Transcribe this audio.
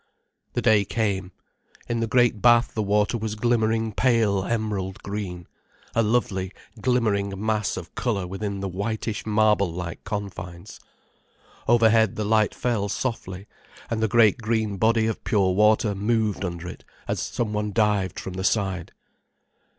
The day came. In the great bath the water was glimmering pale emerald green, a lovely, glimmering mass of colour within the whitish marble like confines. Overhead the light fell softly and the great green body of pure water moved under it as someone dived from the side.